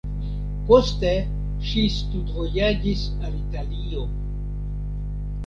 Poste ŝi studvojaĝis al Italio.